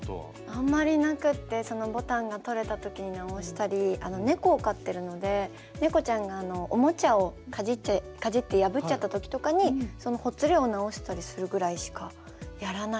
あんまりなくってそのボタンが取れた時に直したり猫を飼ってるので猫ちゃんがおもちゃをかじって破っちゃった時とかにそのほつれを直したりするぐらいしかやらないですね。